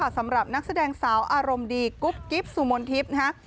สำหรับนักแสดงสาวอารมณ์ดีกุ๊บกิ๊บสุมนทิพย์นะฮะ